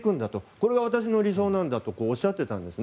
これが私の理想なんだとおっしゃっていたんです。